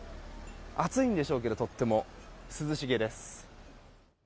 暑いんでしょうけど、とっても涼しげです。